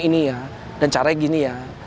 ini ya dan caranya gini ya